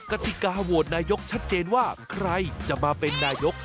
กติกาโหวตนายกชัดเจนว่าใครจะมาเป็นนายก